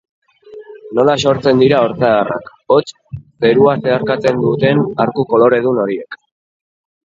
Nola sortzen dira ortzadarrak, hots, zerua zeharkatzen duten arku koloredun horiek?